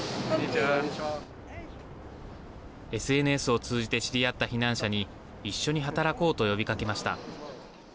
ＳＮＳを通じて知り合った避難者に一緒に働こうと呼びかけました。